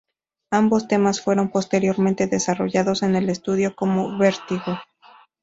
Ambos temas fueron posteriormente desarrollados en el estudio como "Vertigo".